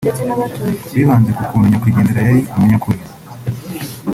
bibanze ku kuntu nyakwigendera yari umuntu w’umunyakuri